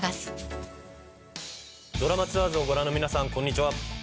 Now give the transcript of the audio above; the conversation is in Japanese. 『ドラマツアーズ』をご覧の皆さんこんにちは。